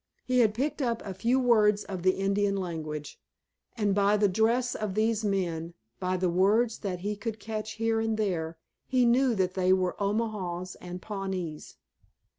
He had picked up a few words of the Indian language, and by the dress of these men, by the words that he could catch here and there he knew that they were Omahas and Pawnees.